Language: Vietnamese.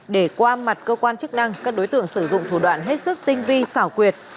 để qua mặt cơ quan chức năng các đối tượng sử dụng thủ đoạn hết sức tinh vi xảo quyệt